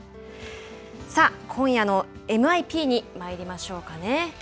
さあ、今夜のＭＩＰにまいりましょうかね。